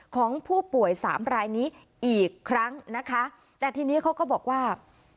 ของผู้ป่วยสามรายนี้อีกครั้งนะคะแต่ทีนี้เขาก็บอกว่า